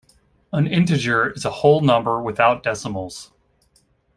An integer is a whole number without decimals.